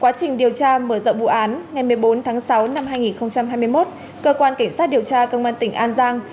quá trình điều tra mở rộng vụ án ngày một mươi bốn tháng sáu năm hai nghìn hai mươi một cơ quan cảnh sát điều tra công an tỉnh an giang